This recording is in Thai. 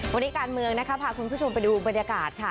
วันนี้การเมืองนะคะพาคุณผู้ชมไปดูบรรยากาศค่ะ